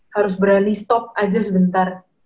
harus berani stop aja sebentar